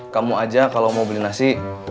kamu aja kalau mau beli nasi